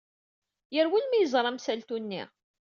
Yerwel mi yeẓra amsaltu-nni.